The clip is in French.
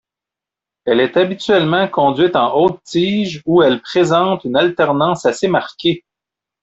Elle est habituellement conduite en haute tige où elle présente une alternance assez marquée.